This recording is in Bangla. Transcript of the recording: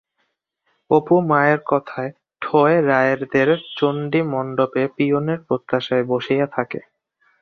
অপু মায়ের কথায় ঠোয় রায়েদের চণ্ডীমণ্ডপে পিওনের প্রত্যাশায় বসিয়া থাকে।